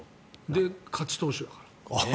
で、勝ち投手だから。